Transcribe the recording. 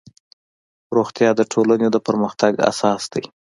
روغتیا د ټولنې د پرمختګ اساس دی